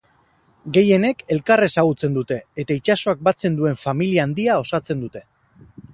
Gehienek elkar ezagutzen dute, eta itsasoak batzen duen familia handia osatzen dute.